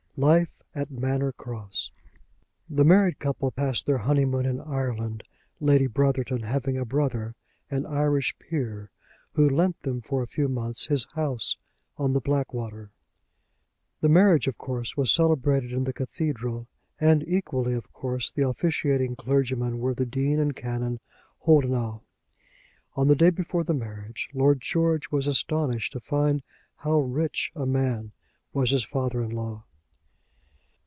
LIFE AT MANOR CROSS. The married couple passed their honeymoon in Ireland, Lady Brotherton having a brother, an Irish peer, who lent them for a few months his house on the Blackwater. The marriage, of course, was celebrated in the cathedral, and equally of course, the officiating clergymen were the Dean and Canon Holdenough. On the day before the marriage Lord George was astonished to find how rich a man was his father in law.